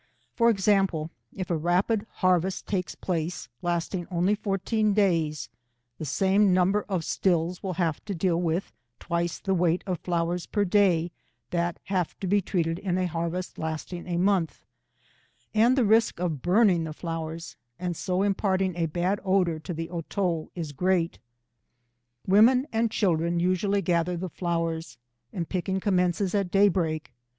For example, if a rapid harvest takes place, lasting only fourteen days, the same number of stills will have to deal with twice the weight of flowers per day that have to be treated in a harvest lasting a month, and the risk of burning the flowers and so imparting a bad odour to the otto is great. Women and children usually gather the flowers, and picking commences at daybreak.